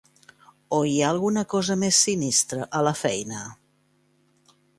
O hi ha alguna cosa més sinistra a la feina?